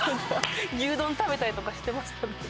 牛丼食べたりとかしてましたね。